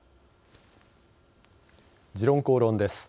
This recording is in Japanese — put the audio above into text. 「時論公論」です。